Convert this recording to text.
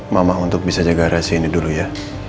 mama untuk bisa jaga garasi ini dulu ya